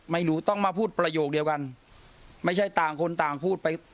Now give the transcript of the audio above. ไม่รู้ต้องมาพูดประโยคเดียวกันไม่ใช่ต่างคนต่างพูดไป